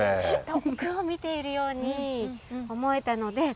遠くを見ているように思えたので。